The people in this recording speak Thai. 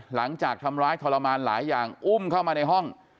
หลังจากทำร้ายทรมานหลายอย่างอุ้มเข้ามาในห้อง